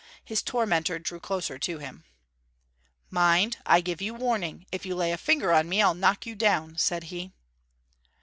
His tormentor drew closer to him. 'Mind, I give you warning, if you lay a finger on me I'll knock you down,' said he.